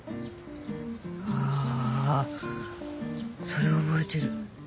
あそれは覚えてる。